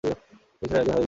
তিনি ছিলেন একজন হাদীসবিদ।